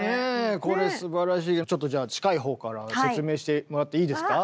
これすばらしいちょっとじゃあ近い方から説明してもらっていいですか？